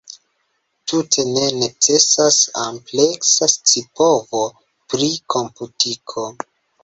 Tute ne necesas ampleksa scipovo pri komputiko.